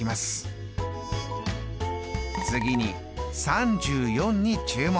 次に３４に注目！